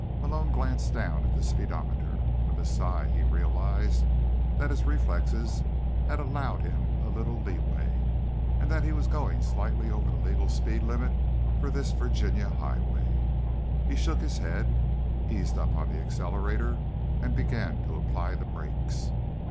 Malone glanced down at the speedometer. With a sigh, he realized that his reflexes had allowed him a little leeway, and that he was going slightly over the legal speed limit for this Virginia highway. He shook his head, eased up on the accelerator, and began to apply the brakes.